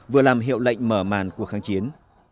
vừa làm hiệu lệnh mở màn cuộc kháng chiến